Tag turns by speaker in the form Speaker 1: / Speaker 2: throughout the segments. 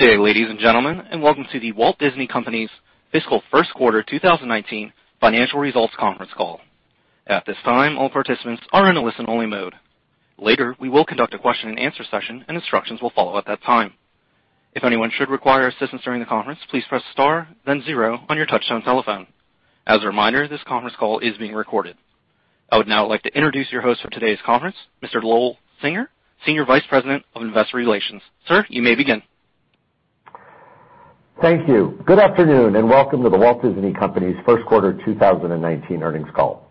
Speaker 1: Good day, ladies and gentlemen, and welcome to The Walt Disney Company's fiscal first quarter 2019 financial results conference call. At this time, all participants are in a listen-only mode. Later, we will conduct a question and answer session and instructions will follow at that time. If anyone should require assistance during the conference, please press star then zero on your touch-tone telephone. As a reminder, this conference call is being recorded. I would now like to introduce your host for today's conference, Mr. Lowell Singer, Senior Vice President of Investor Relations. Sir, you may begin.
Speaker 2: Thank you. Good afternoon and welcome to The Walt Disney Company's first quarter 2019 earnings call.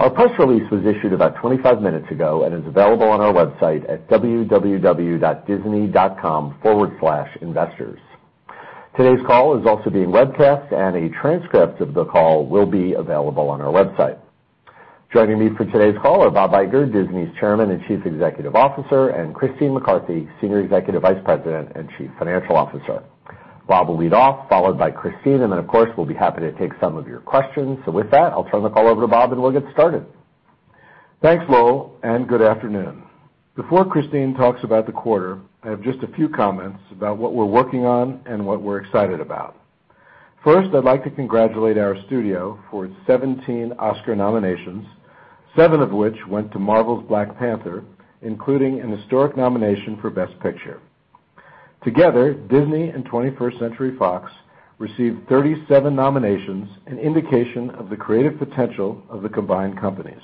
Speaker 2: Our press release was issued about 25 minutes ago and is available on our website at www.disney.com/investors. Today's call is also being webcast. A transcript of the call will be available on our website. Joining me for today's call are Bob Iger, Disney's Chairman and Chief Executive Officer, and Christine McCarthy, Senior Executive Vice President and Chief Financial Officer. Bob will lead off, followed by Christine. Then of course, we'll be happy to take some of your questions. With that, I'll turn the call over to Bob. We'll get started.
Speaker 3: Thanks, Lowell. Good afternoon. Before Christine talks about the quarter, I have just a few comments about what we're working on and what we're excited about. First, I'd like to congratulate our studio for its 17 Oscar nominations, seven of which went to Marvel's Black Panther, including an historic nomination for Best Picture. Together, Disney and 21st Century Fox received 37 nominations, an indication of the creative potential of the combined companies.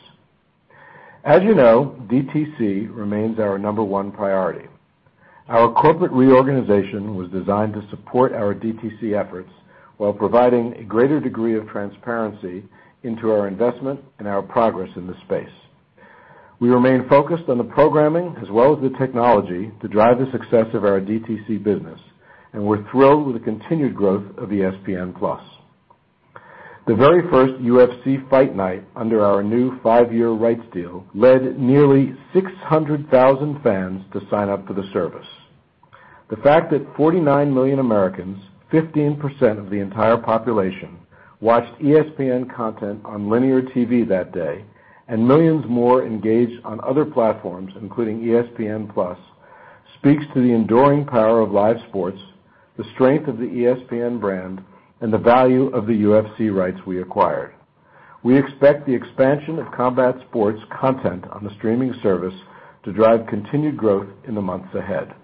Speaker 3: As you know, DTC remains our number one priority. Our corporate reorganization was designed to support our DTC efforts while providing a greater degree of transparency into our investment and our progress in this space. We remain focused on the programming as well as the technology to drive the success of our DTC business. We're thrilled with the continued growth of ESPN+. The very first UFC fight night under our new five-year rights deal led nearly 600,000 fans to sign up for the service. The fact that 49 million Americans, 15% of the entire population, watched ESPN content on linear TV that day. Millions more engaged on other platforms, including ESPN+, speaks to the enduring power of live sports, the strength of the ESPN brand, and the value of the UFC rights we acquired. We expect the expansion of combat sports content on the streaming service to drive continued growth in the months ahead.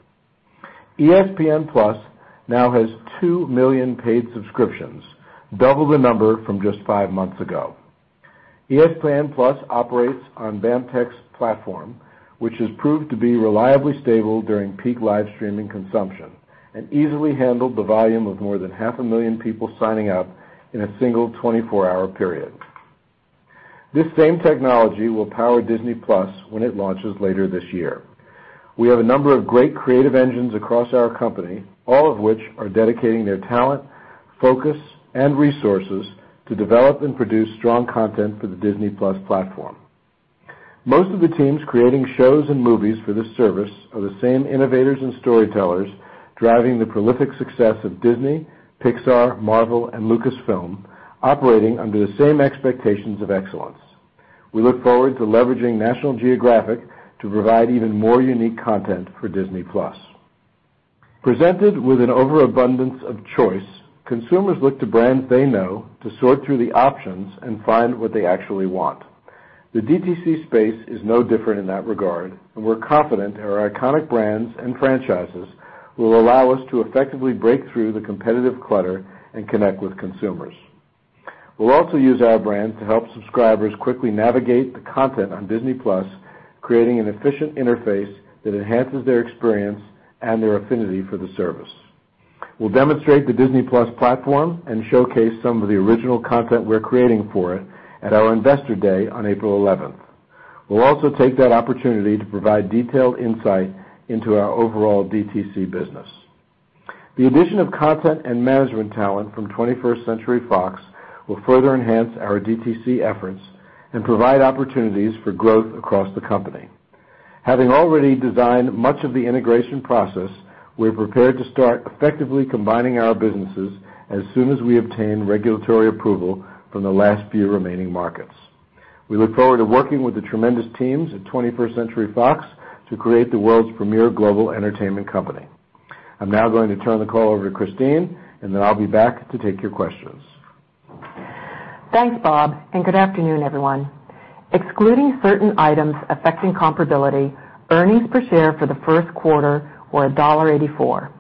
Speaker 3: ESPN+ now has 2 million paid subscriptions, double the number from just five months ago. ESPN+ operates on BAMTech's platform, which has proved to be reliably stable during peak live streaming consumption and easily handled the volume of more than half a million people signing up in a single 24-hour period. This same technology will power Disney+ when it launches later this year. We have a number of great creative engines across our company, all of which are dedicating their talent, focus, and resources to develop and produce strong content for the Disney+ platform. Most of the teams creating shows and movies for this service are the same innovators and storytellers driving the prolific success of Disney, Pixar, Marvel, and Lucasfilm, operating under the same expectations of excellence. We look forward to leveraging National Geographic to provide even more unique content for Disney+. Presented with an overabundance of choice, consumers look to brands they know to sort through the options and find what they actually want. The DTC space is no different in that regard, and we're confident that our iconic brands and franchises will allow us to effectively break through the competitive clutter and connect with consumers. We'll also use our brand to help subscribers quickly navigate the content on Disney+, creating an efficient interface that enhances their experience and their affinity for the service. We'll demonstrate the Disney+ platform and showcase some of the original content we're creating for it at our Investor Day on April 11th. We'll also take that opportunity to provide detailed insight into our overall DTC business. The addition of content and management talent from 21st Century Fox will further enhance our DTC efforts and provide opportunities for growth across the company. Having already designed much of the integration process, we're prepared to start effectively combining our businesses as soon as we obtain regulatory approval from the last few remaining markets. We look forward to working with the tremendous teams at 21st Century Fox to create the world's premier global entertainment company. I'm now going to turn the call over to Christine, and then I'll be back to take your questions.
Speaker 4: Thanks, Bob, and good afternoon, everyone. Excluding certain items affecting comparability, earnings per share for the first quarter were $1.84.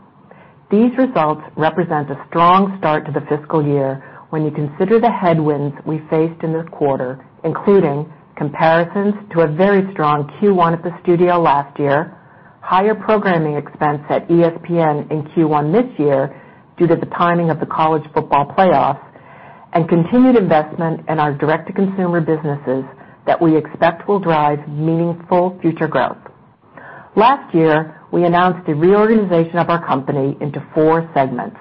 Speaker 4: These results represent a strong start to the fiscal year when you consider the headwinds we faced in this quarter, including comparisons to a very strong Q1 at the studio last year, higher programming expense at ESPN in Q1 this year due to the timing of the college football playoff, and continued investment in our Direct-to-Consumer businesses that we expect will drive meaningful future growth. Last year, we announced the reorganization of our company into four segments.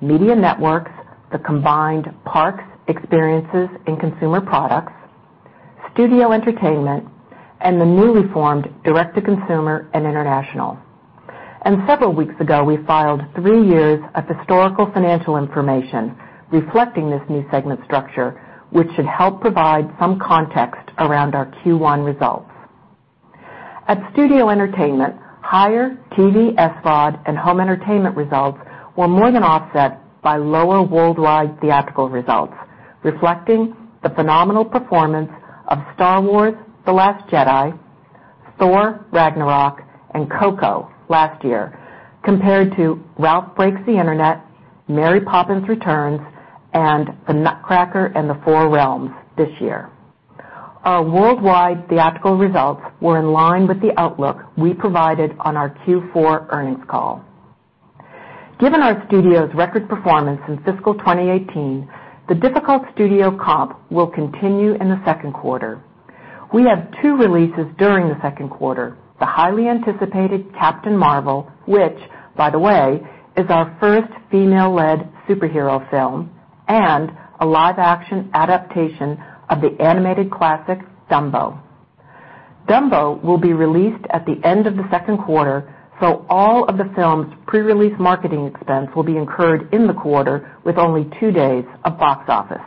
Speaker 4: Media Networks, the combined Parks, Experiences, and Consumer Products, Studio Entertainment, and the newly formed Direct-to-Consumer and International. Several weeks ago, we filed three years of historical financial information reflecting this new segment structure, which should help provide some context around our Q1 results. At Studio Entertainment, higher TV, SVOD, and home entertainment results were more than offset by lower worldwide theatrical results, reflecting the phenomenal performance of Star Wars: The Last Jedi, Thor: Ragnarok, and Coco last year compared to Ralph Breaks the Internet, Mary Poppins Returns, and The Nutcracker and the Four Realms this year. Our worldwide theatrical results were in line with the outlook we provided on our Q4 earnings call. Given our studio's record performance in fiscal 2018, the difficult studio comp will continue in the second quarter. We have two releases during the second quarter, the highly anticipated Captain Marvel, which, by the way, is our first female-led superhero film, and a live-action adaptation of the animated classic Dumbo. Dumbo will be released at the end of the second quarter, so all of the film's pre-release marketing expense will be incurred in the quarter with only two days of box office.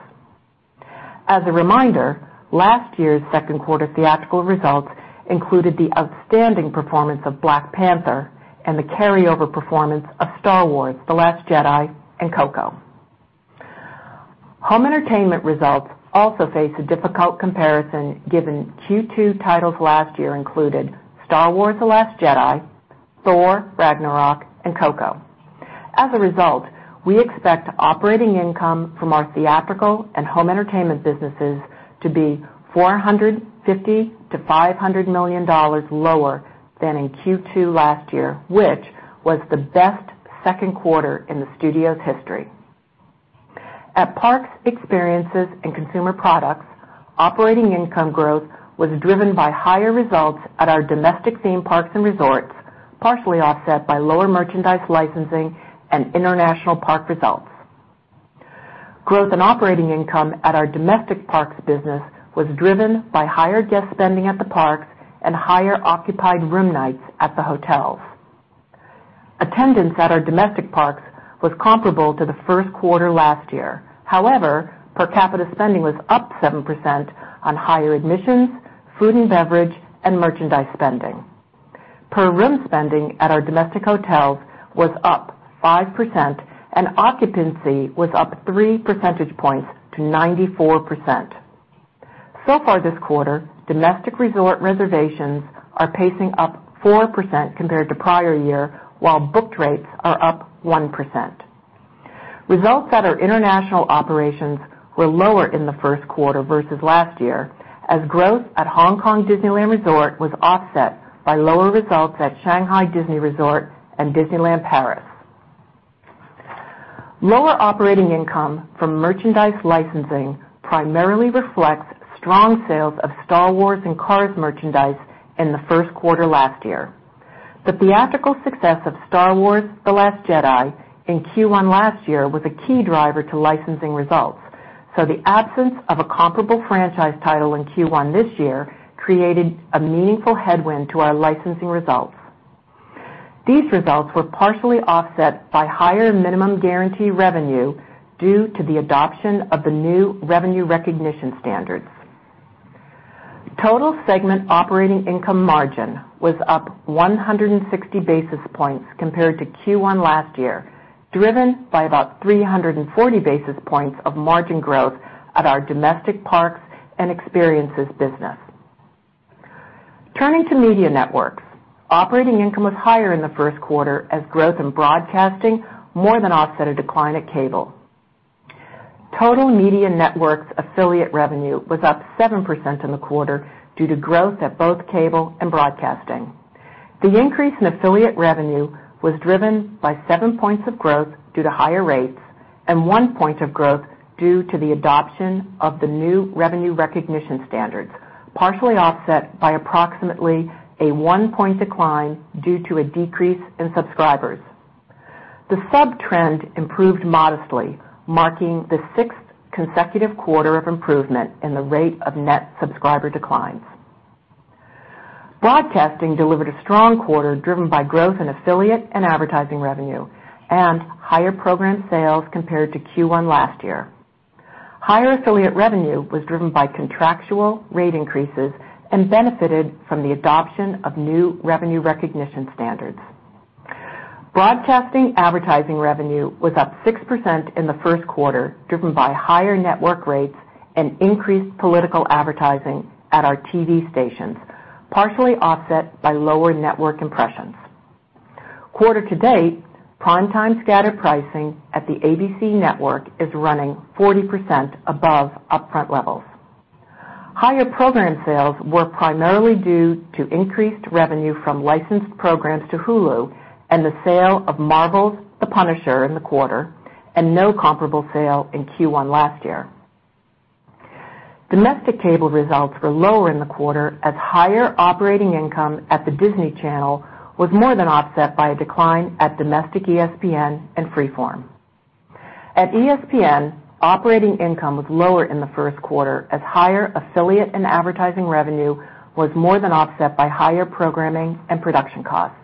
Speaker 4: As a reminder, last year's second quarter theatrical results included the outstanding performance of Black Panther and the carryover performance of Star Wars: The Last Jedi and Coco. Home entertainment results also face a difficult comparison given Q2 titles last year included Star Wars: The Last Jedi, Thor: Ragnarok, and Coco. As a result, we expect operating income from our theatrical and home entertainment businesses to be $450 million-$500 million lower than in Q2 last year, which was the best second quarter in the studio's history. At Parks, Experiences, and Consumer Products, operating income growth was driven by higher results at our domestic theme parks and resorts, partially offset by lower merchandise licensing and international park results. Growth in operating income at our domestic parks business was driven by higher guest spending at the parks and higher occupied room nights at the hotels. Attendance at our domestic parks was comparable to the first quarter last year. However, per capita spending was up 7% on higher admissions, food and beverage, and merchandise spending. Per room spending at our domestic hotels was up 5%, and occupancy was up 3 percentage points to 94%. So far this quarter, domestic resort reservations are pacing up 4% compared to prior year, while booked rates are up 1%. Results at our international operations were lower in the first quarter versus last year, as growth at Hong Kong Disneyland Resort was offset by lower results at Shanghai Disney Resort and Disneyland Paris. Lower operating income from merchandise licensing primarily reflects strong sales of Star Wars and Cars merchandise in the first quarter last year. The theatrical success of Star Wars: The Last Jedi in Q1 last year was a key driver to licensing results. The absence of a comparable franchise title in Q1 this year created a meaningful headwind to our licensing results. These results were partially offset by higher minimum guarantee revenue due to the adoption of the new revenue recognition standards. Total segment operating income margin was up 160 basis points compared to Q1 last year, driven by about 340 basis points of margin growth at our domestic parks and experiences business. Turning to Media Networks, operating income was higher in the first quarter as growth in broadcasting more than offset a decline at cable. Total Media Networks affiliate revenue was up 7% in the quarter due to growth at both cable and broadcasting. The increase in affiliate revenue was driven by seven points of growth due to higher rates and one point of growth due to the adoption of the new revenue recognition standards, partially offset by approximately a one-point decline due to a decrease in subscribers. The sub trend improved modestly, marking the sixth consecutive quarter of improvement in the rate of net subscriber declines. Broadcasting delivered a strong quarter, driven by growth in affiliate and advertising revenue and higher program sales compared to Q1 last year. Higher affiliate revenue was driven by contractual rate increases and benefited from the adoption of new revenue recognition standards. Broadcasting advertising revenue was up 6% in the first quarter, driven by higher network rates and increased political advertising at our TV stations, partially offset by lower network impressions. Quarter to date, primetime scatter pricing at the ABC network is running 40% above upfront levels. Higher program sales were primarily due to increased revenue from licensed programs to Hulu and the sale of Marvel's The Punisher in the quarter and no comparable sale in Q1 last year. Domestic cable results were lower in the quarter as higher operating income at the Disney Channel was more than offset by a decline at domestic ESPN and Freeform. At ESPN, operating income was lower in the first quarter as higher affiliate and advertising revenue was more than offset by higher programming and production costs.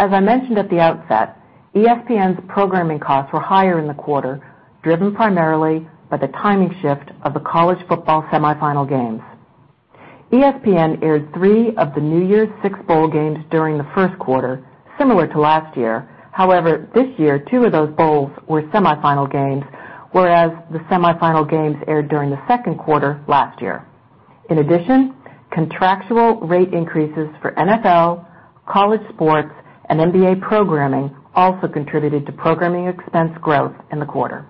Speaker 4: As I mentioned at the outset, ESPN's programming costs were higher in the quarter, driven primarily by the timing shift of the college football semifinal games. ESPN aired three of the New Year's six bowl games during the first quarter, similar to last year. However, this year, two of those bowls were semifinal games, whereas the semifinal games aired during the second quarter last year. In addition, contractual rate increases for NFL, college sports, and NBA programming also contributed to programming expense growth in the quarter.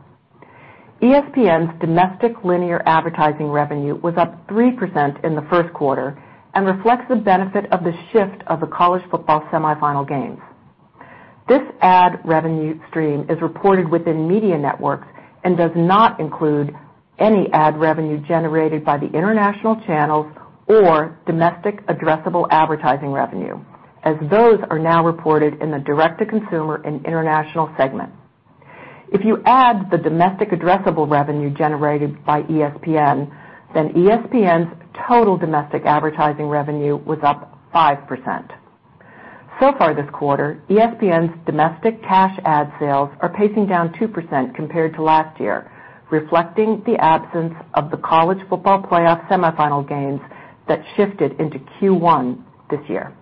Speaker 4: ESPN's domestic linear advertising revenue was up 3% in the first quarter and reflects the benefit of the shift of the college football semifinal games. This ad revenue stream is reported within Media Networks and does not include any ad revenue generated by the international channels or domestic addressable advertising revenue, as those are now reported in the Direct-to-Consumer and International segment. If you add the domestic addressable revenue generated by ESPN, then ESPN's total domestic advertising revenue was up 5%. Far this quarter, ESPN's domestic cash ad sales are pacing down 2% compared to last year, reflecting the absence of the college football playoff semifinal games that shifted into Q1 this year.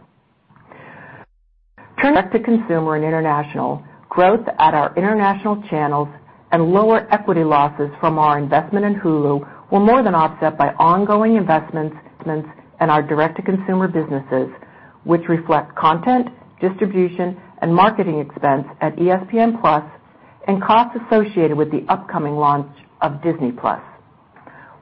Speaker 4: Turning to Consumer and International, growth at our international channels and lower equity losses from our investment in Hulu were more than offset by ongoing investments in our Direct-to-Consumer businesses, which reflect content, distribution, and marketing expense at ESPN+ and costs associated with the upcoming launch of Disney+.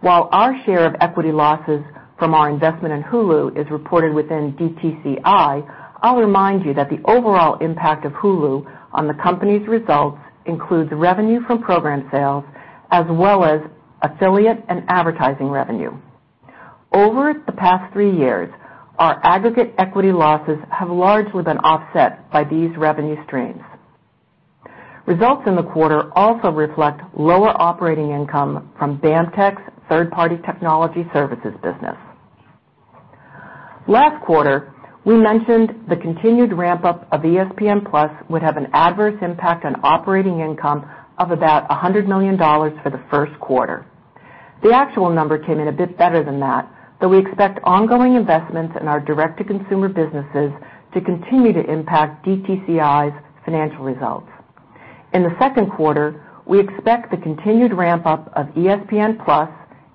Speaker 4: While our share of equity losses from our investment in Hulu is reported within DTCI, I'll remind you that the overall impact of Hulu on the company's results includes revenue from program sales as well as affiliate and advertising revenue. Over the past three years, our aggregate equity losses have largely been offset by these revenue streams. Results in the quarter also reflect lower operating income from BAMTech's third-party technology services business. Last quarter, we mentioned the continued ramp-up of ESPN+ would have an adverse impact on operating income of about $100 million for the first quarter. The actual number came in a bit better than that, though we expect ongoing investments in our Direct-to-Consumer businesses to continue to impact DTCI's financial results. In the second quarter, we expect the continued ramp-up of ESPN+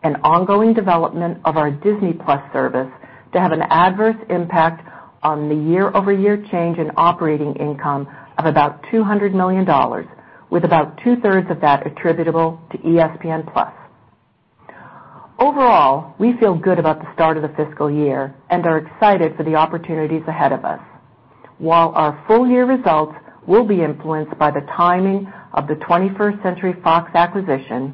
Speaker 4: and ongoing development of our Disney+ service to have an adverse impact on the year-over-year change in operating income of about $200 million with about 2/3 of that attributable to ESPN+. Overall, we feel good about the start of the fiscal year and are excited for the opportunities ahead of us. While our full-year results will be influenced by the timing of the 21st Century Fox acquisition,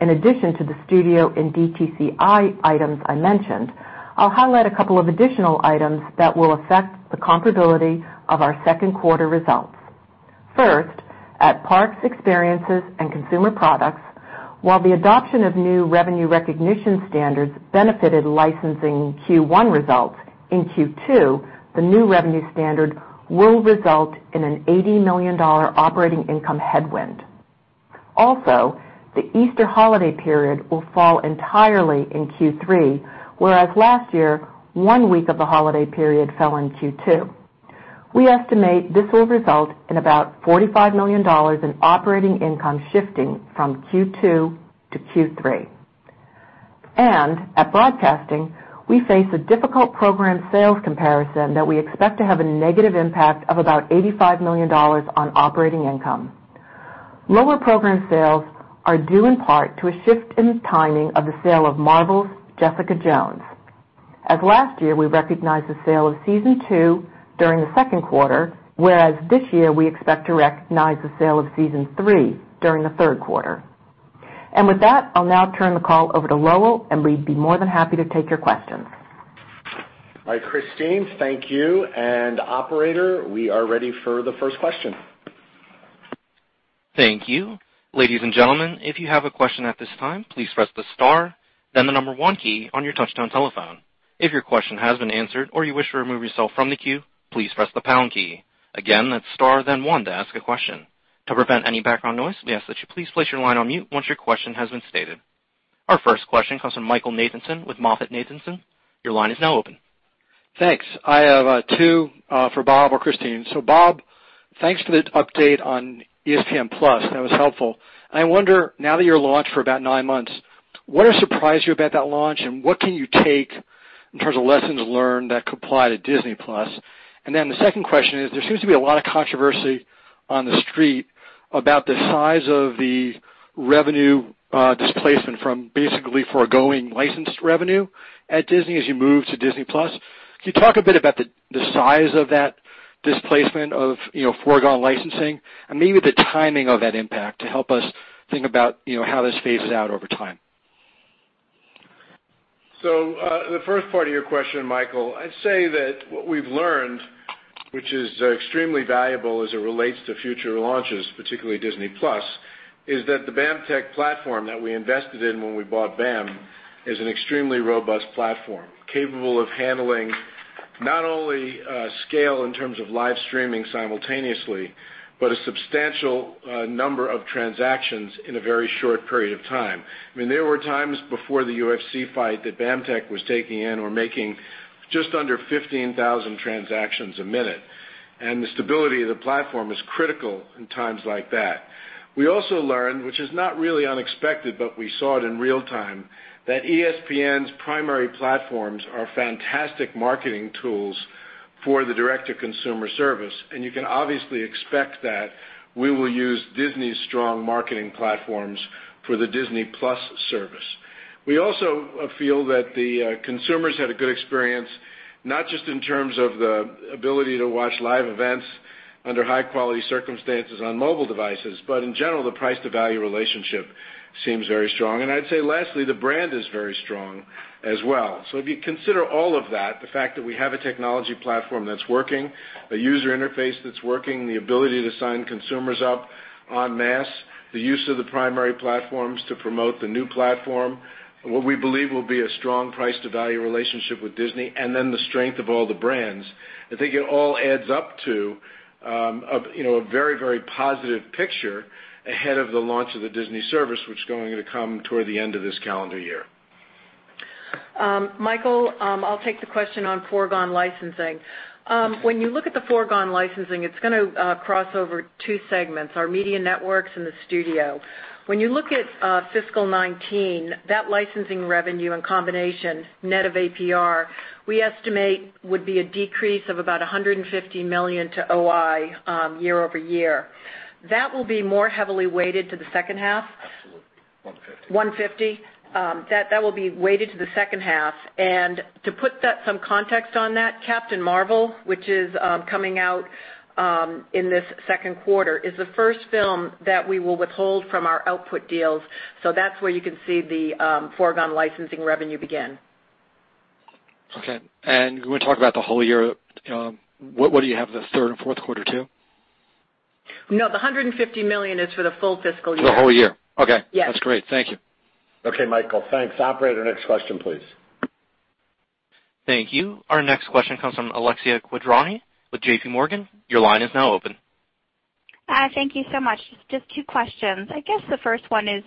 Speaker 4: in addition to the studio and DTCI items I mentioned, I'll highlight a couple of additional items that will affect the comparability of our second quarter results. First, at parks, experiences, and consumer products, while the adoption of new revenue recognition standards benefited licensing Q1 results, in Q2, the new revenue standard will result in an $80 million operating income headwind. Also, the Easter holiday period will fall entirely in Q3, whereas last year, one week of the holiday period fell in Q2. We estimate this will result in about $45 million in operating income shifting from Q2 to Q3. At broadcasting, we face a difficult program sales comparison that we expect to have a negative impact of about $85 million on operating income. Lower program sales are due in part to a shift in the timing of the sale of Marvel's Jessica Jones. As last year, we recognized the sale of season two during the second quarter, whereas this year, we expect to recognize the sale of season three during the third quarter. With that, I'll now turn the call over to Lowell, and we'd be more than happy to take your questions.
Speaker 2: All right, Christine, thank you. Operator, we are ready for the first question.
Speaker 1: Thank you. Ladies and gentlemen, if you have a question at this time, please press the star then the number one key on your touch-tone telephone. If your question has been answered or you wish to remove yourself from the queue, please press the pound key. Again, that's star then one to ask a question. To prevent any background noise, we ask that you please place your line on mute once your question has been stated. Our first question comes from Michael Nathanson with MoffettNathanson. Your line is now open.
Speaker 5: Thanks. I have two for Bob or Christine. Bob, thanks for the update on ESPN+. That was helpful. I wonder now that you're launched for about nine months, what has surprised you about that launch, and what can you take in terms of lessons learned that could apply to Disney+? The second question is, there seems to be a lot of controversy on the street about the size of the revenue displacement from basically foregoing licensed revenue at Disney as you move to Disney+. Can you talk a bit about the size of that displacement of foregone licensing and maybe the timing of that impact to help us think about how this phases out over time?
Speaker 3: The first part of your question, Michael, I'd say that what we've learned, which is extremely valuable as it relates to future launches, particularly Disney+. It is that the BAMTech platform that we invested in when we bought BAM is an extremely robust platform, capable of handling not only scale in terms of live streaming simultaneously, but a substantial number of transactions in a very short period of time. There were times before the UFC fight that BAMTech was taking in or making just under 15,000 transactions a minute, and the stability of the platform is critical in times like that. We also learned, which is not really unexpected, but we saw it in real time, that ESPN's primary platforms are fantastic marketing tools for the Direct-to-Consumer service. You can obviously expect that we will use Disney's strong marketing platforms for the Disney+ service. We also feel that the consumers had a good experience, not just in terms of the ability to watch live events under high-quality circumstances on mobile devices, but in general, the price to value relationship seems very strong. I'd say lastly, the brand is very strong as well. If you consider all of that, the fact that we have a technology platform that's working, a user interface that's working, the ability to sign consumers up en masse, the use of the primary platforms to promote the new platform, what we believe will be a strong price to value relationship with Disney, and then the strength of all the brands. I think it all adds up to a very positive picture ahead of the launch of the Disney service, which is going to come toward the end of this calendar year.
Speaker 4: Michael, I'll take the question on foregone licensing. When you look at the foregone licensing, it's going to cross over two segments, our Media Networks and the studio. When you look at fiscal 2019, that licensing revenue in combination, net of APR, we estimate would be a decrease of about $150 million to OI year-over-year. That will be more heavily weighted to the second half. $150 million. That will be weighted to the second half. To put some context on that, Captain Marvel, which is coming out in this second quarter, is the first film that we will withhold from our output deals. That's where you can see the foregone licensing revenue begin.
Speaker 5: Okay. You want to talk about the whole year, what do you have, the third and fourth quarter too?
Speaker 4: No, the $150 million is for the full fiscal year.
Speaker 5: The whole year. Okay.
Speaker 4: Yes.
Speaker 5: That's great. Thank you.
Speaker 2: Okay, Michael. Thanks. Operator, next question, please.
Speaker 1: Thank you. Our next question comes from Alexia Quadrani with JPMorgan. Your line is now open.
Speaker 6: Thank you so much. Just two questions. I guess the first one is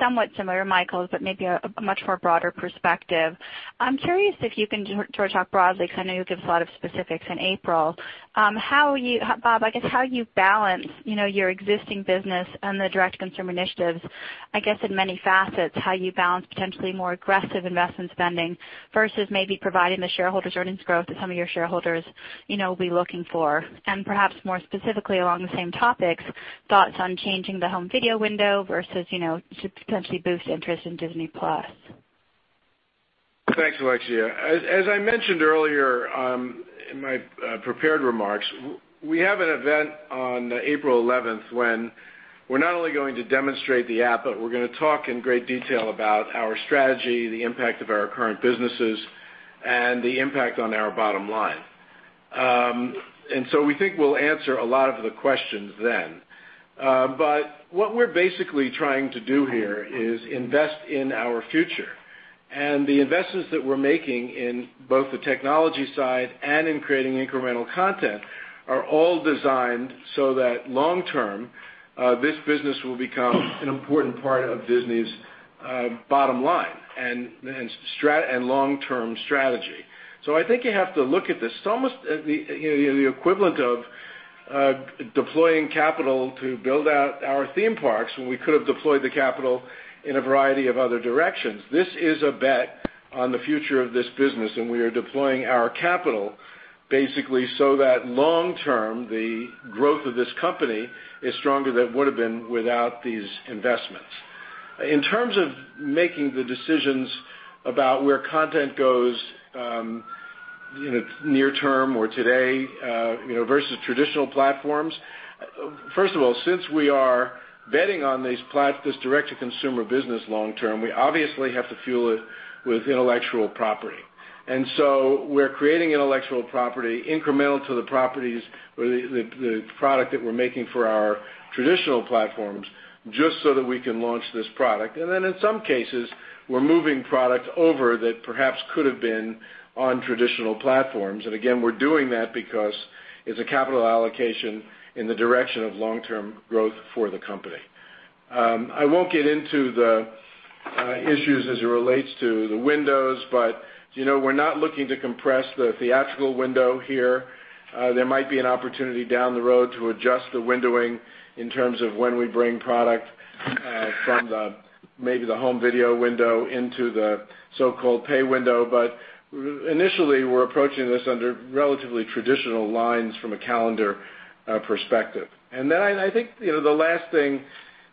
Speaker 6: somewhat similar to Michael's, but maybe a much more broader perspective. I'm curious if you can talk broadly, because I know you'll give us a lot of specifics in April. Bob, I guess how you balance your existing business and the direct-to-consumer initiatives, I guess in many facets, how you balance potentially more aggressive investment spending versus maybe providing the shareholders earnings growth that some of your shareholders will be looking for. Perhaps more specifically along the same topics, thoughts on changing the home video window versus to potentially boost interest in Disney+.
Speaker 3: Thanks, Alexia. As I mentioned earlier in my prepared remarks, we have an event on April 11th when we're not only going to demonstrate the app, but we're going to talk in great detail about our strategy, the impact of our current businesses, and the impact on our bottom line. We think we'll answer a lot of the questions then. What we're basically trying to do here is invest in our future. The investments that we're making in both the technology side and in creating incremental content are all designed so that long term, this business will become an important part of Disney's bottom line and long-term strategy. I think you have to look at this, it's almost the equivalent of deploying capital to build out our theme parks when we could have deployed the capital in a variety of other directions. This is a bet on the future of this business, and we are deploying our capital basically so that long term, the growth of this company is stronger than it would have been without these investments. In terms of making the decisions about where content goes near term or today versus traditional platforms. First of all, since we are betting on this Direct-to-Consumer business long term, we obviously have to fuel it with intellectual property. So we're creating intellectual property incremental to the properties or the product that we're making for our traditional platforms just so that we can launch this product. Then in some cases, we're moving product over that perhaps could have been on traditional platforms. Again, we're doing that because it's a capital allocation in the direction of long-term growth for the company. I won't get into the issues as it relates to the windows, we're not looking to compress the theatrical window here. There might be an opportunity down the road to adjust the windowing in terms of when we bring product from maybe the home video window into the so-called pay window. Initially, we're approaching this under relatively traditional lines from a calendar perspective. Then I think the last thing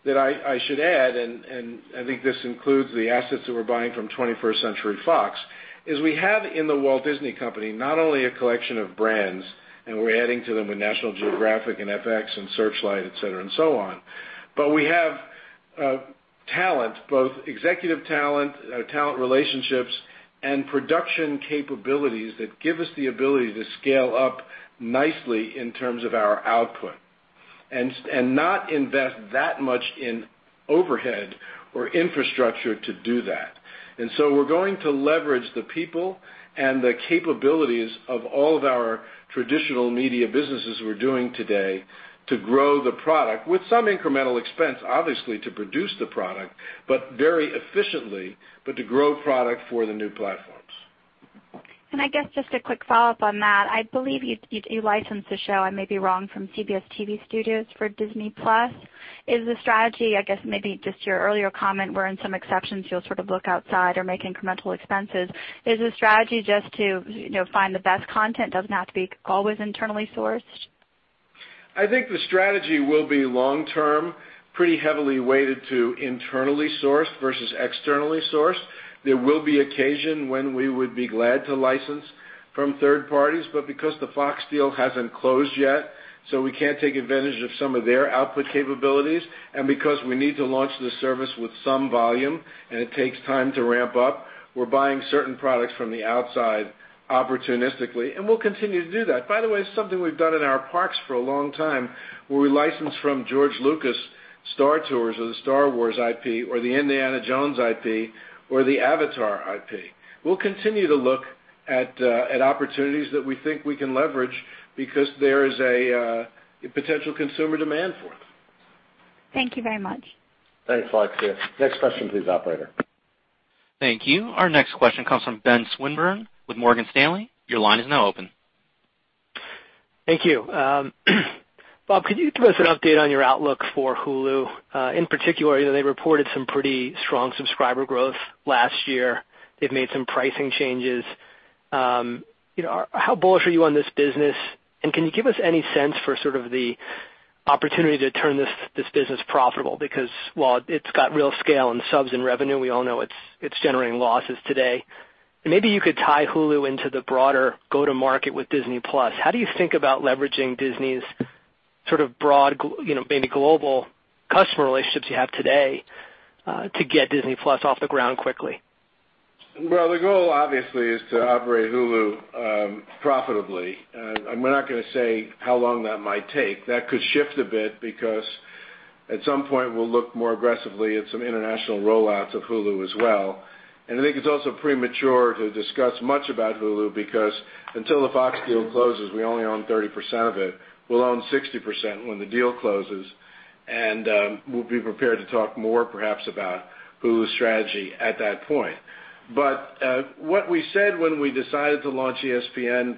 Speaker 3: that I should add, I think this includes the assets that we're buying from 21st Century Fox, is we have in The Walt Disney Company not only a collection of brands, and we're adding to them with National Geographic and FX and Searchlight, et cetera, and so on, but we have talent, both executive talent relationships and production capabilities that give us the ability to scale up nicely in terms of our output and not invest that much in overhead or infrastructure to do that. So we're going to leverage the people and the capabilities of all of our traditional media businesses we're doing today to grow the product with some incremental expense, obviously, to produce the product, but very efficiently to grow product for the new platforms.
Speaker 6: I guess just a quick follow-up on that. I believe you licensed a show, I may be wrong, from CBS TV Studios for Disney+. Is the strategy, I guess maybe just your earlier comment, where in some exceptions you'll sort of look outside or make incremental expenses. Is the strategy just to find the best content? Does it have to be always internally sourced?
Speaker 3: I think the strategy will be long-term, pretty heavily weighted to internally sourced versus externally sourced. There will be occasion when we would be glad to license from third parties, because the Fox deal hasn't closed yet, we can't take advantage of some of their output capabilities, and because we need to launch the service with some volume and it takes time to ramp up, we're buying certain products from the outside opportunistically and we'll continue to do that. By the way, something we've done in our parks for a long time where we license from George Lucas, Star Tours or the Star Wars IP or the Indiana Jones IP or the Avatar IP. We'll continue to look at opportunities that we think we can leverage because there is a potential consumer demand for it.
Speaker 6: Thank you very much.
Speaker 2: Thanks, Alexia. Next question please, operator.
Speaker 1: Thank you. Our next question comes from Ben Swinburne with Morgan Stanley. Your line is now open.
Speaker 7: Thank you. Bob, could you give us an update on your outlook for Hulu? In particular, they reported some pretty strong subscriber growth last year. They've made some pricing changes. How bullish are you on this business? Can you give us any sense for sort of the opportunity to turn this business profitable? Because while it's got real scale and subs in revenue, we all know it's generating losses today. Maybe you could tie Hulu into the broader go-to-market with Disney+. How do you think about leveraging Disney's sort of broad, maybe global customer relationships you have today to get Disney+ off the ground quickly?
Speaker 3: Well, the goal obviously is to operate Hulu profitably. We're not going to say how long that might take. That could shift a bit because at some point we'll look more aggressively at some international rollouts of Hulu as well. I think it's also premature to discuss much about Hulu because until the Fox deal closes, we only own 30% of it. We'll own 60% when the deal closes and we'll be prepared to talk more perhaps about Hulu's strategy at that point. What we said when we decided to launch ESPN+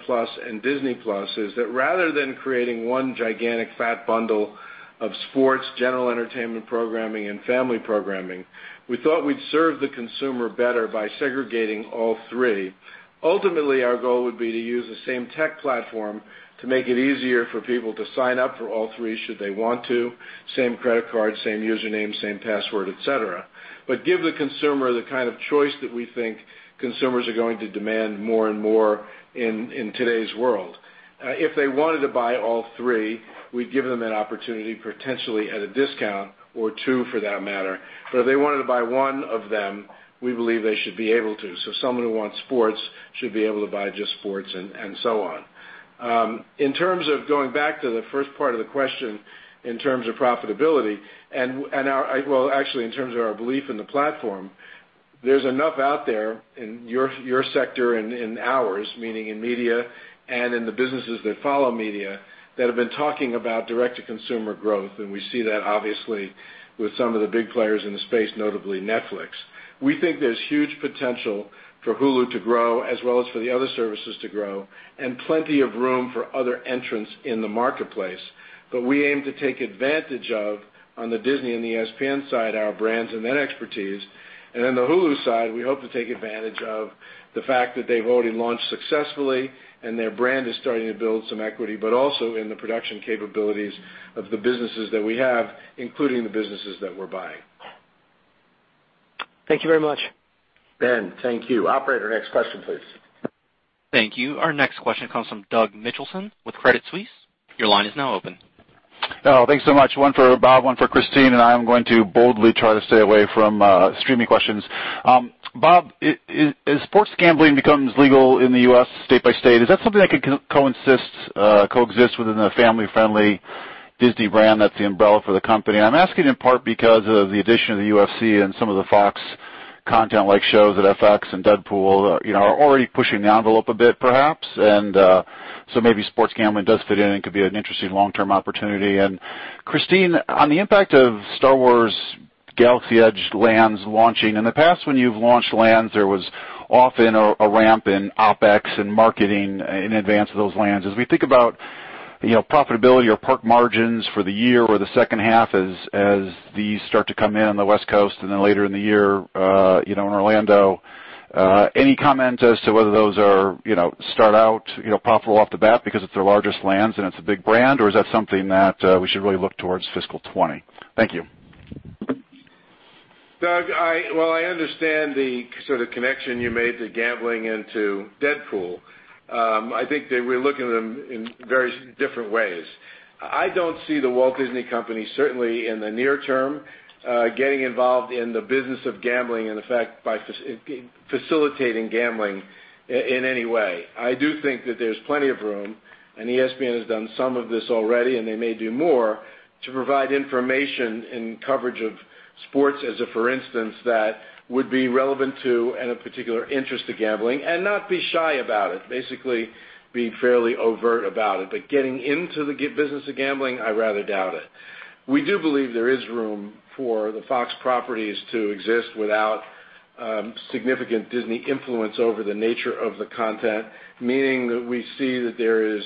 Speaker 3: and Disney+ is that rather than creating one gigantic fat bundle of sports, general entertainment programming and family programming, we thought we'd serve the consumer better by segregating all three. Ultimately, our goal would be to use the same tech platform to make it easier for people to sign up for all three should they want to, same credit card, same username, same password, et cetera, but give the consumer the kind of choice that we think consumers are going to demand more and more in today's world. If they wanted to buy all three, we'd give them that opportunity potentially at a discount or two for that matter. If they wanted to buy one of them, we believe they should be able to. Someone who wants sports should be able to buy just sports and so on. In terms of going back to the first part of the question in terms of profitability and our, well, actually in terms of our belief in the platform, there's enough out there in your sector and in ours, meaning in media and in the businesses that follow media, that have been talking about Direct-to-Consumer growth and we see that obviously with some of the big players in the space, notably Netflix. We think there's huge potential for Hulu to grow as well as for the other services to grow and plenty of room for other entrants in the marketplace. We aim to take advantage of, on the Disney and ESPN side, our brands and that expertise. On the Hulu side, we hope to take advantage of the fact that they've already launched successfully and their brand is starting to build some equity, but also in the production capabilities of the businesses that we have, including the businesses that we're buying.
Speaker 7: Thanks very much.
Speaker 2: Ben, thank you. Operator, next question, please.
Speaker 1: Thank you. Our next question comes from Doug Mitchelson with Credit Suisse. Your line is now open.
Speaker 8: Thanks so much. One for Bob, one for Christine, I am going to boldly try to stay away from streaming questions. Bob, as sports gambling becomes legal in the U.S. state by state, is that something that could coexist within a family-friendly Disney brand that's the umbrella for the company? I'm asking in part because of the addition of the UFC and some of the Fox content like shows at FX and Deadpool are already pushing the envelope a bit perhaps, maybe sports gambling does fit in and could be an interesting long-term opportunity. Christine, on the impact of Star Wars: Galaxy's Edge lands launching, in the past when you've launched lands, there was often a ramp in OpEx and marketing in advance of those lands. As we think about profitability or park margins for the year or the second half as these start to come in on the West Coast and then later in the year in Orlando, any comment as to whether those start out profitable off the bat because it's their largest lands and it's a big brand or is that something that we should really look towards fiscal 2020? Thank you.
Speaker 3: Doug, while I understand the sort of connection you made to gambling and to Deadpool, I think that we're looking at them in very different ways. I don't see The Walt Disney Company, certainly in the near term, getting involved in the business of gambling, in effect, by facilitating gambling in any way. I do think that there's plenty of room, ESPN has done some of this already, and they may do more to provide information and coverage of sports as a for instance, that would be relevant to and of particular interest to gambling, and not be shy about it. Basically, be fairly overt about it. Getting into the business of gambling, I rather doubt it. We do believe there is room for the Fox properties to exist without significant Disney influence over the nature of the content. Meaning that we see that there is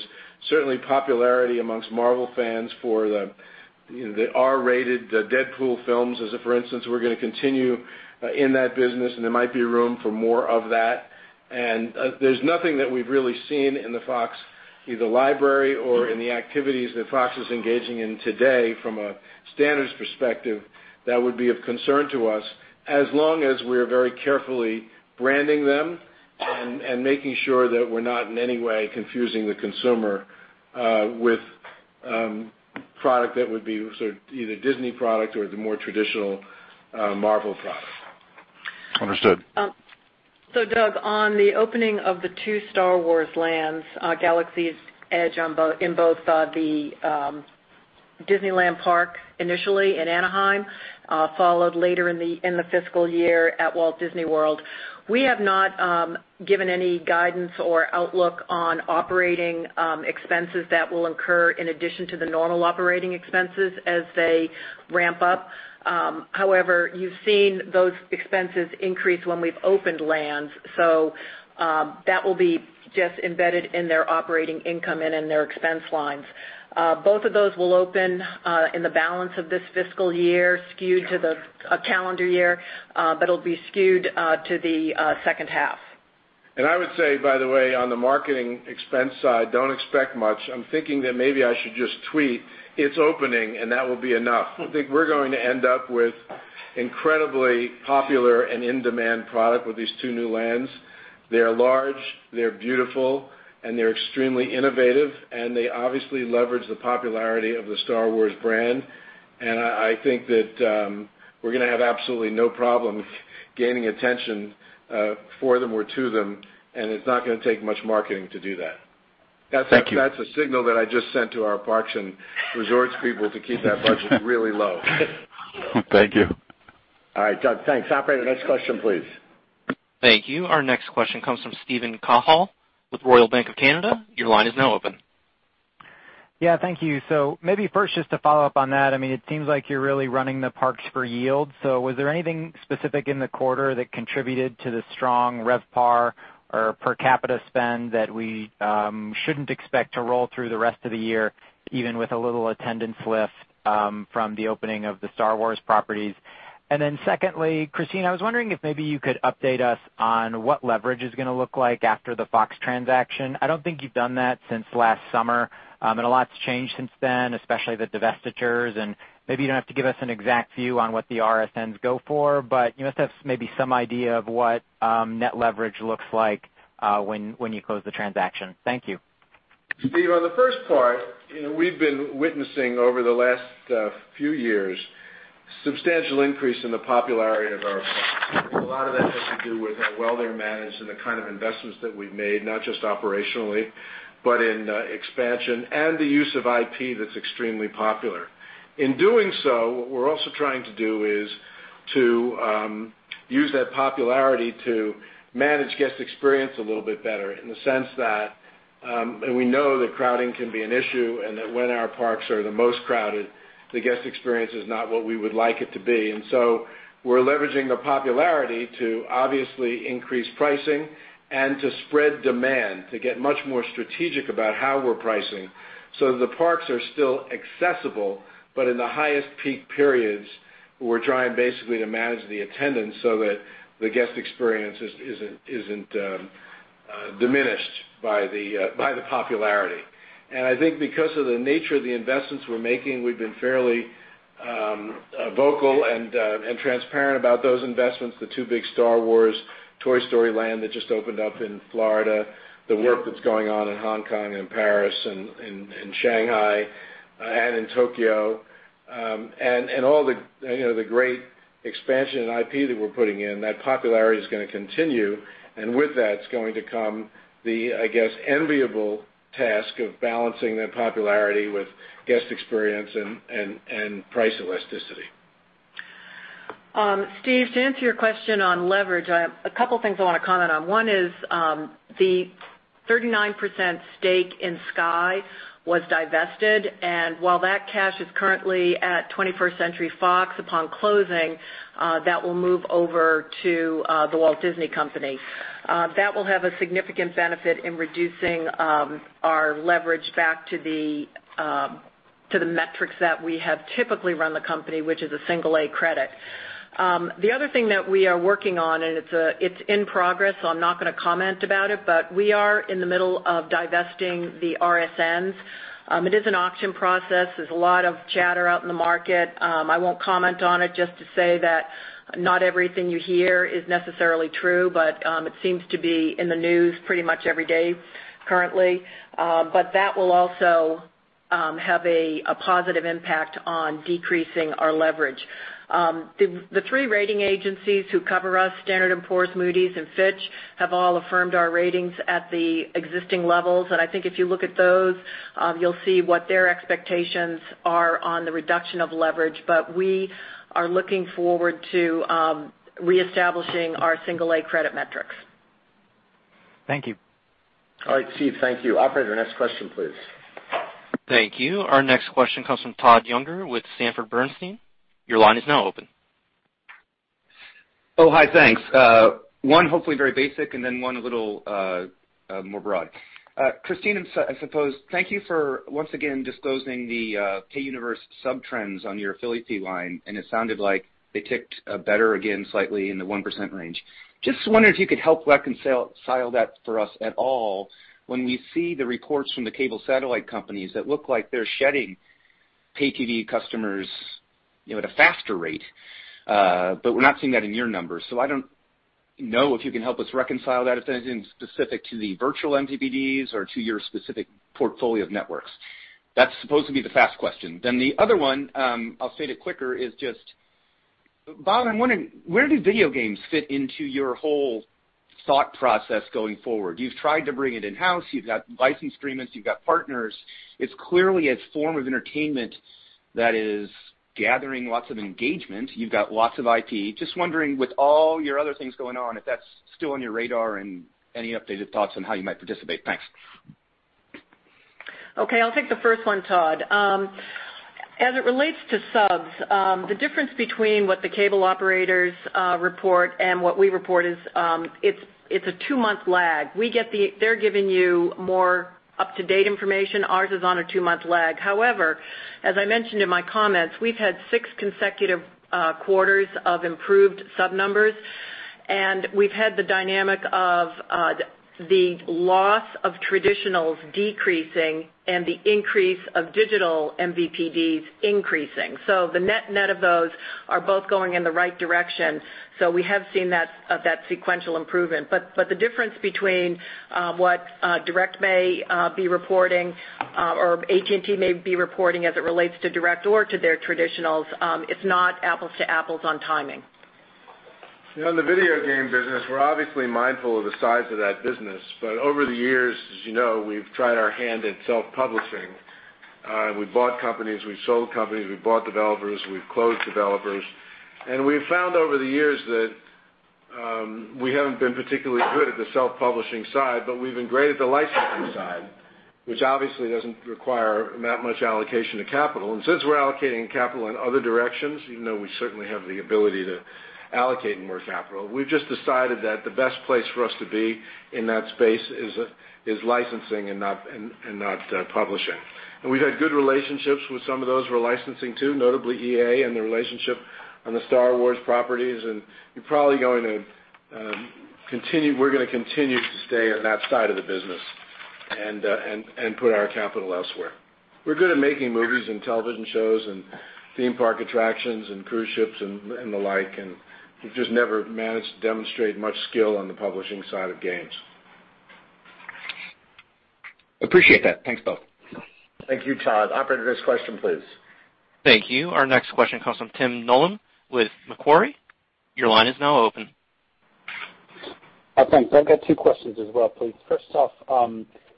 Speaker 3: certainly popularity amongst Marvel fans for the R-rated "Deadpool" films, as a for instance. We're going to continue in that business, there might be room for more of that. There's nothing that we've really seen in the Fox either library or in the activities that Fox is engaging in today from a standards perspective that would be of concern to us, as long as we're very carefully branding them and making sure that we're not in any way confusing the consumer with product that would be either Disney product or the more traditional Marvel product.
Speaker 8: Understood.
Speaker 4: Doug, on the opening of the two Star Wars lands, Galaxy's Edge in both the Disneyland park initially in Anaheim, followed later in the fiscal year at Walt Disney World. We have not given any guidance or outlook on operating expenses that will incur in addition to the normal operating expenses as they ramp up. However, you've seen those expenses increase when we've opened lands. That will be just embedded in their operating income and in their expense lines. Both of those will open in the balance of this fiscal year, skewed to the calendar year, but it'll be skewed to the second half.
Speaker 3: I would say, by the way, on the marketing expense side, don't expect much. I'm thinking that maybe I should just tweet, "It's opening," and that will be enough. I think we're going to end up with incredibly popular and in-demand product with these two new lands. They're large, they're beautiful, and they're extremely innovative, and they obviously leverage the popularity of the Star Wars brand. I think that we're going to have absolutely no problem gaining attention for them or to them, and it's not going to take much marketing to do that.
Speaker 8: Thank you.
Speaker 3: That's a signal that I just sent to our Parks and Resorts people to keep that budget really low.
Speaker 8: Thank you.
Speaker 2: All right, Doug, thanks. Operator, next question, please.
Speaker 1: Thank you. Our next question comes from Steven Cahall with Royal Bank of Canada. Your line is now open.
Speaker 9: Maybe first, just to follow up on that, it seems like you're really running the parks for yield. Was there anything specific in the quarter that contributed to the strong RevPAR or per capita spend that we shouldn't expect to roll through the rest of the year, even with a little attendance lift from the opening of the Star Wars properties? Secondly, Christine, I was wondering if maybe you could update us on what leverage is going to look like after the Fox transaction. I don't think you've done that since last summer, and a lot's changed since then, especially the divestitures, and maybe you don't have to give us an exact view on what the RSNs go for, but you must have maybe some idea of what net leverage looks like when you close the transaction. Thank you.
Speaker 3: Steve, on the first part, we've been witnessing over the last few years substantial increase in the popularity of our parks. A lot of that has to do with how well they're managed and the kind of investments that we've made, not just operationally, but in expansion, and the use of IP that's extremely popular. In doing so, what we're also trying to do is to use that popularity to manage guest experience a little bit better in the sense that we know that crowding can be an issue, and that when our parks are the most crowded, the guest experience is not what we would like it to be. So we're leveraging the popularity to obviously increase pricing and to spread demand to get much more strategic about how we're pricing so that the parks are still accessible. In the highest peak periods, we're trying basically to manage the attendance so that the guest experience isn't diminished by the popularity. I think because of the nature of the investments we're making, we've been fairly vocal and transparent about those investments. The two big Star Wars, Toy Story Land that just opened up in Florida, the work that's going on in Hong Kong and Paris and in Shanghai and in Tokyo. All the great expansion in IP that we're putting in, that popularity is going to continue. With that, it's going to come the, I guess, enviable task of balancing that popularity with guest experience and price elasticity.
Speaker 4: Steve, to answer your question on leverage, a couple things I want to comment on. One is the 39% stake in Sky was divested, and while that cash is currently at 21st Century Fox, upon closing, that will move over to The Walt Disney Company. That will have a significant benefit in reducing our leverage back to the metrics that we have typically run the company, which is a single A credit. The other thing that we are working on, and it's in progress, so I'm not going to comment about it, but we are in the middle of divesting the RSNs. It is an auction process. There's a lot of chatter out in the market. I won't comment on it, just to say that not everything you hear is necessarily true, but it seems to be in the news pretty much every day currently. That will also have a positive impact on decreasing our leverage. The three rating agencies who cover us, Standard & Poor's, Moody's, and Fitch, have all affirmed our ratings at the existing levels. I think if you look at those, you'll see what their expectations are on the reduction of leverage. We are looking forward to reestablishing our single A credit metrics.
Speaker 9: Thank you.
Speaker 2: All right, Steve, thank you. Operator, next question, please.
Speaker 1: Thank you. Our next question comes from Todd Juenger with Sanford Bernstein. Your line is now open.
Speaker 10: Hi, thanks. One hopefully very basic, and then one little more broad. Christine, suppose thank you for once again disclosing the pay universe sub-trends on your affiliate fee line, and it sounded like they ticked better again slightly in the 1% range. Just wondering if you could help reconcile that for us at all when we see the reports from the cable satellite companies that look like they're shedding pay TV customers at a faster rate. We're not seeing that in your numbers, so I don't know if you can help us reconcile that if that is specific to the virtual MVPDs or to your specific portfolio of networks. That's supposed to be the fast question. The other one, I'll state it quicker, is just, Bob, I'm wondering where do video games fit into your whole thought process going forward? You've tried to bring it in-house. You've got license agreements. You've got partners. It's clearly a form of entertainment that is gathering lots of engagement. You've got lots of IP. Just wondering with all your other things going on, if that's still on your radar and any updated thoughts on how you might participate. Thanks.
Speaker 4: Okay, I'll take the first one, Todd. As it relates to subs, the difference between what the cable operators report and what we report is it's a two-month lag. They're giving you more up-to-date information. Ours is on a two-month lag. However, as I mentioned in my comments, we've had six consecutive quarters of improved sub numbers, and we've had the dynamic of the loss of traditionals decreasing and the increase of digital MVPDs increasing. The net-net of those are both going in the right direction. We have seen that sequential improvement. The difference between what DIRECTV may be reporting or AT&T may be reporting as it relates to DIRECTV or to their traditionals, it's not apples to apples on timing.
Speaker 3: On the video game business, we're obviously mindful of the size of that business. Over the years, as you know, we've tried our hand at self-publishing. We've bought companies, we've sold companies, we've bought developers, we've closed developers. We've found over the years that we haven't been particularly good at the self-publishing side, but we've been great at the licensing side, which obviously doesn't require that much allocation of capital. Since we're allocating capital in other directions, even though we certainly have the ability to allocate more capital, we've just decided that the best place for us to be in that space is licensing and not publishing. We've had good relationships with some of those we're licensing to, notably EA and the relationship on the Star Wars properties. We're going to continue to stay on that side of the business and put our capital elsewhere. We're good at making movies and television shows and theme park attractions and cruise ships and the like, we've just never managed to demonstrate much skill on the publishing side of games.
Speaker 10: Appreciate that. Thanks, both.
Speaker 2: Thank you, Todd. Operator, next question, please.
Speaker 1: Thank you. Our next question comes from Tim Nollen with Macquarie. Your line is now open.
Speaker 11: Thanks. I've got two questions as well, please. First off,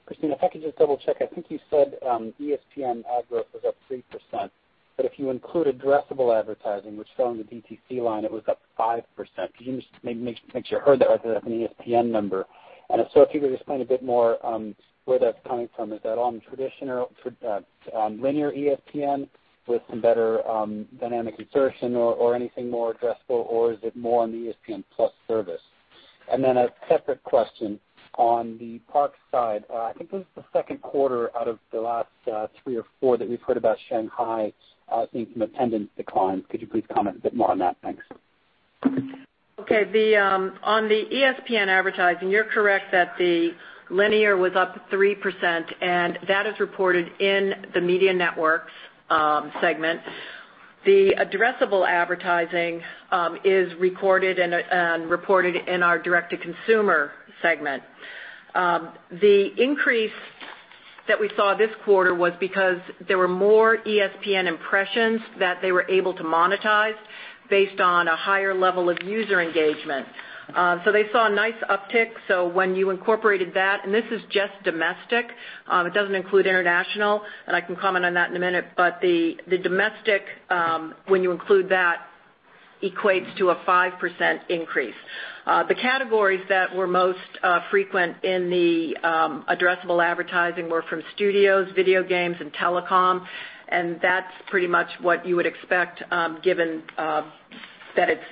Speaker 11: Christine, if I could just double check. I think you said ESPN ad growth was up 3%, but if you include addressable advertising, which fell in the DTC line, it was up 5%. Could you just make sure I heard that right as an ESPN number? If you could explain a bit more where that's coming from. Is that on linear ESPN with some better dynamic insertion or anything more addressable or is it more on the ESPN+ service? A separate question on the parks side. I think this is the second quarter out of the last three or four that we've heard about Shanghai seeing some attendance declines. Could you please comment a bit more on that? Thanks.
Speaker 4: Okay. On the ESPN advertising, you're correct that the linear was up 3%, and that is reported in the Media Networks segment. The addressable advertising is recorded and reported in our Direct-to-Consumer segment. The increase that we saw this quarter was because there were more ESPN impressions that they were able to monetize based on a higher level of user engagement. They saw a nice uptick. When you incorporated that, and this is just domestic, it doesn't include international, and I can comment on that in a minute, but the domestic, when you include that, equates to a 5% increase. The categories that were most frequent in the addressable advertising were from studios, video games, and telecom, and that's pretty much what you would expect given that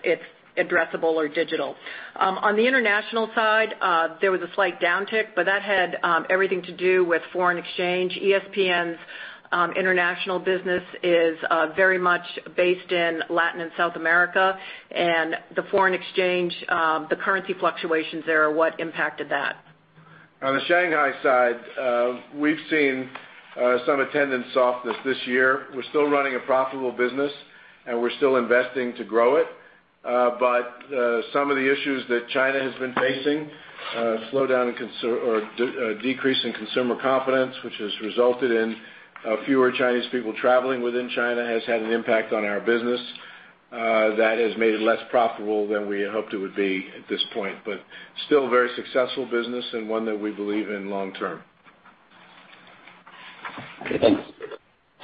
Speaker 4: it's addressable or digital. On the international side, there was a slight downtick, but that had everything to do with foreign exchange. ESPN's international business is very much based in Latin and South America, and the foreign exchange, the currency fluctuations there are what impacted that.
Speaker 3: On the Shanghai side, we've seen some attendance softness this year. We're still running a profitable business, and we're still investing to grow it. Some of the issues that China has been facing, a decrease in consumer confidence, which has resulted in fewer Chinese people traveling within China, has had an impact on our business that has made it less profitable than we had hoped it would be at this point. Still a very successful business and one that we believe in long term.
Speaker 11: Okay, thanks.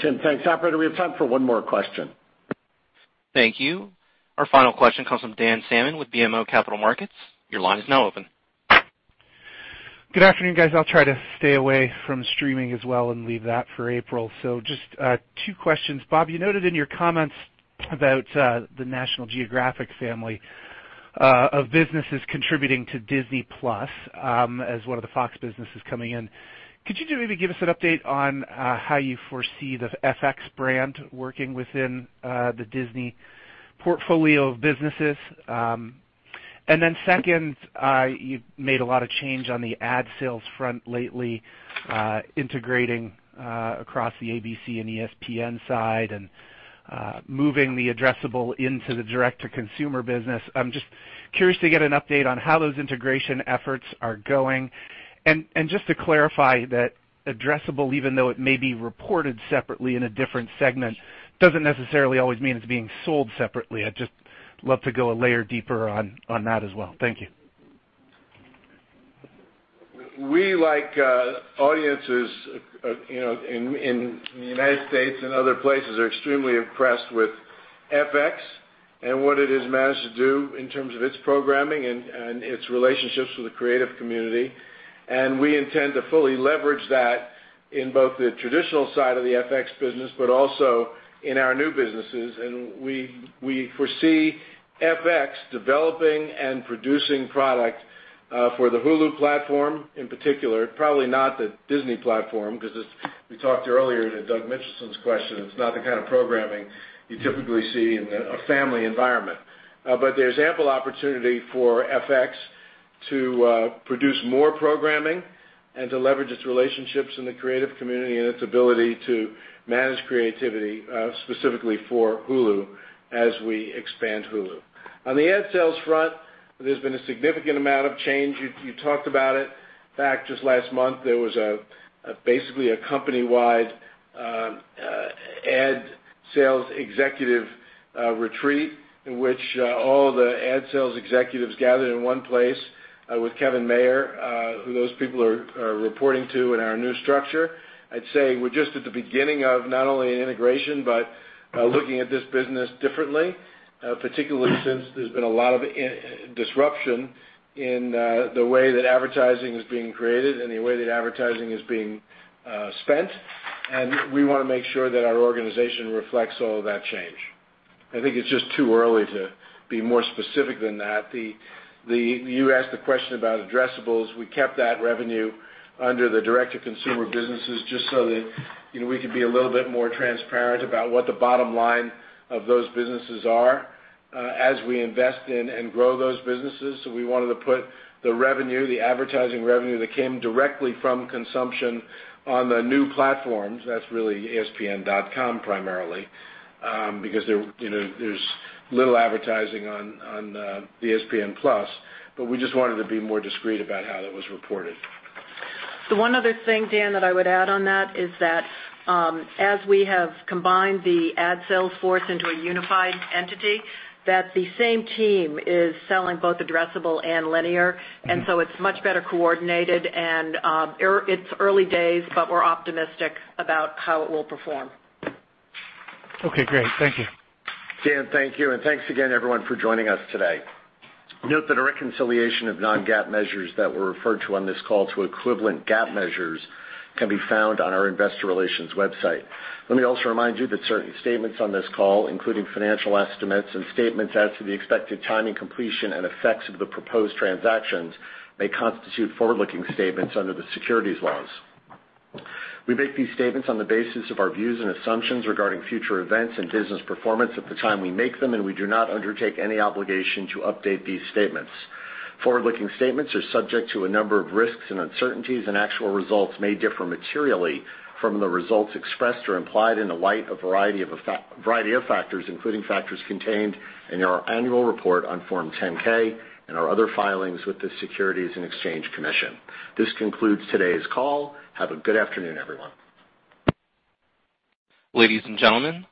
Speaker 2: Tim, thanks. Operator, we have time for one more question.
Speaker 1: Thank you. Our final question comes from Dan Salmon with BMO Capital Markets. Your line is now open.
Speaker 12: Good afternoon, guys. I'll try to stay away from streaming as well and leave that for April. Just two questions. Bob, you noted in your comments about the National Geographic family of businesses contributing to Disney+ as one of the Fox businesses coming in. Could you maybe give us an update on how you foresee the FX brand working within the Disney portfolio of businesses? Second, you've made a lot of change on the ad sales front lately, integrating across the ABC and ESPN side and moving the addressable into the Direct-to-Consumer business. I'm just curious to get an update on how those integration efforts are going and just to clarify that addressable, even though it may be reported separately in a different segment, doesn't necessarily always mean it's being sold separately. I'd just love to go a layer deeper on that as well. Thank you.
Speaker 3: We like audiences in the United States and other places are extremely impressed with FX and what it has managed to do in terms of its programming and its relationships with the creative community. We intend to fully leverage that in both the traditional side of the FX business, but also in our new businesses. We foresee FX developing and producing product for the Hulu platform in particular, probably not the Disney platform, because as we talked earlier to Doug Mitchelson's question, it's not the kind of programming you typically see in a family environment. There's ample opportunity for FX to produce more programming and to leverage its relationships in the creative community and its ability to manage creativity, specifically for Hulu as we expand Hulu. On the ad sales front, there's been a significant amount of change. You talked about it. In fact, just last month, there was basically a company-wide ad sales executive retreat in which all the ad sales executives gathered in one place with Kevin Mayer, who those people are reporting to in our new structure. I'd say we're just at the beginning of not only an integration, but looking at this business differently, particularly since there's been a lot of disruption in the way that advertising is being created and the way that advertising is being spent. We want to make sure that our organization reflects all of that change. I think it's just too early to be more specific than that. You asked the question about addressables. We kept that revenue under the Direct-to-Consumer businesses just so that we could be a little bit more transparent about what the bottom line of those businesses are as we invest in and grow those businesses. We wanted to put the revenue, the advertising revenue that came directly from consumption on the new platforms. That's really ESPN.com primarily because there's little advertising on ESPN+, but we just wanted to be more discreet about how that was reported.
Speaker 4: The one other thing, Dan, that I would add on that is that as we have combined the ad sales force into a unified entity, that the same team is selling both addressable and linear, it's much better coordinated and it's early days, but we're optimistic about how it will perform.
Speaker 12: Okay, great. Thank you.
Speaker 2: Dan, thank you. Thanks again, everyone, for joining us today. Note that a reconciliation of non-GAAP measures that were referred to on this call to equivalent GAAP measures can be found on our investor relations website. Let me also remind you that certain statements on this call, including financial estimates and statements as to the expected timing, completion, and effects of the proposed transactions, may constitute forward-looking statements under the securities laws. We make these statements on the basis of our views and assumptions regarding future events and business performance at the time we make them, and we do not undertake any obligation to update these statements. Forward-looking statements are subject to a number of risks and uncertainties. Actual results may differ materially from the results expressed or implied in the light of a variety of factors, including factors contained in our annual report on Form 10-K and our other filings with the Securities and Exchange Commission. This concludes today's call. Have a good afternoon, everyone.
Speaker 1: Ladies and gentlemen,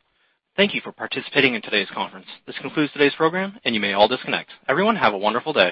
Speaker 1: thank you for participating in today's conference. This concludes today's program. You may all disconnect. Everyone, have a wonderful day.